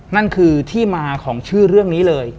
นั่นคือที่มาของชื่อเรื่องนี้เลย